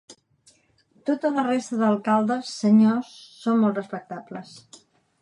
Tota la resta d'alcaldes senyors són Molt respectables.